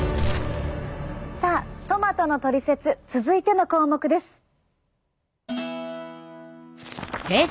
さあトマトのトリセツ続いての項目です。